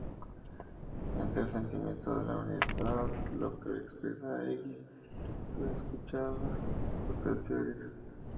Entre el sentimiento de unidad lo que expresa Aegis, son escuchadas sus canciones.